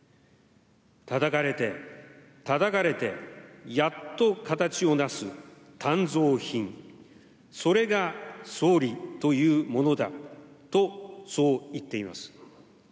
たたかれて、たたかれて、やっと形を成す鍛造品、それが総理というものだと、そう言っています。